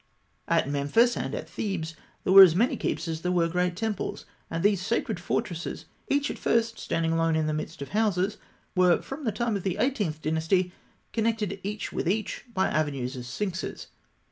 At Memphis and at Thebes, there were as many keeps as there were great temples, and these sacred fortresses, each at first standing alone in the midst of houses, were, from the time of the Eighteenth Dynasty, connected each with each by avenues of sphinxes.